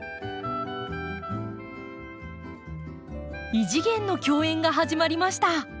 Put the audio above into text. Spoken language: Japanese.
異次元の競演が始まりました。